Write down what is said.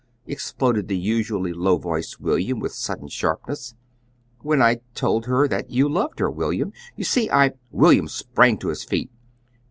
exploded the usually low voiced William, with sudden sharpness. "When I told her that you loved her, William. You see, I " William sprang to his feet.